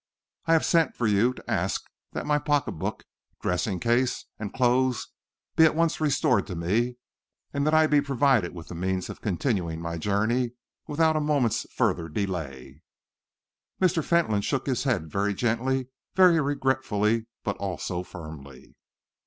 I have sent for you to ask that my pocket book, dressing case, and clothes be at once restored to me, and that I be provided with the means of continuing my journey without a moment's further delay." Mr. Fentolin shook his head very gently, very regretfully, but also firmly.